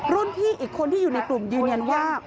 พี่อีกคนที่อยู่ในกลุ่มยืนยันว่า